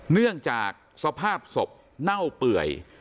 เนื่องจากสภาพศพเน่าเปื่อย